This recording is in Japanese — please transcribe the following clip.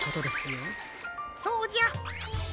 そうじゃ。